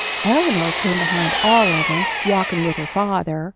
Eleanor came behind 'em all, walkin' with her father.